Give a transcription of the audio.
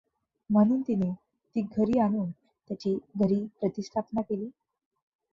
म्हणुन तिने ती घरी आणुन त्याची घरी प्रतीस्थापना केली.